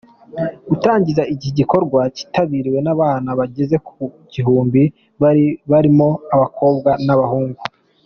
Gutangiza iki gikorwa byitabiriwe n’abana bagera ku gihumbi barimo abakobwa n’abahungu”.